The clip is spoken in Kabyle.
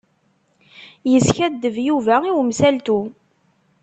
Yeskaddeb Yuba i umsaltu.